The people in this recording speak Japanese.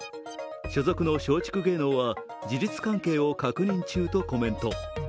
所属の松竹芸能は事実関係を確認中とコメント。